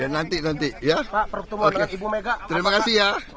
nanti nanti ya terima kasih ya